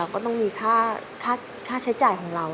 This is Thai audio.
ก็ต้องมีค่าใช้จ่ายของเรา